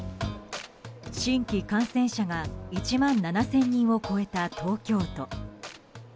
新規感染者が１万７０００人を超えた東京都。